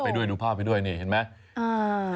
ด้วยดูภาพไปด้วยนี่เห็นไหม